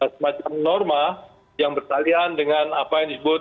semacam norma yang bertalian dengan apa yang disebut